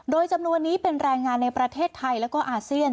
โดยจำนวนนี้เป็นแรงงานในประเทศไทยแล้วก็อาเซียน